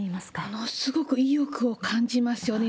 ものすごく意欲を感じますよね。